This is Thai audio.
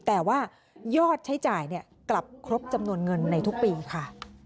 แต่ว่ายอดใช้จ่ายกลับครบจำนวนเงินในทุกปีค่ะ